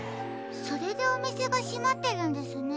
それでおみせがしまってるんですね。